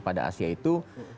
pada asia itu